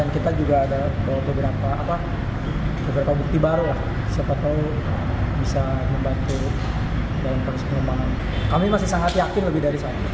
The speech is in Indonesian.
kami masih sangat yakin lebih dari saat ini